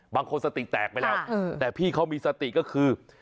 บางคนสติแตกไปแล้วแต่พี่เขามีสติก็คือ